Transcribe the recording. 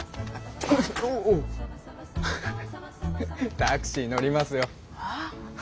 タクシー乗りますよ。